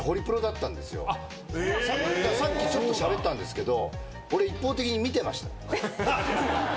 さっきちょっとしゃべったんですけど。